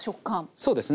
そうですね。